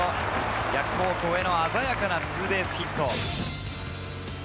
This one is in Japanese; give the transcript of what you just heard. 逆方向への鮮やかなツーベースヒット。